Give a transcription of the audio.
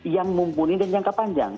yang mumpuni dan jangka panjang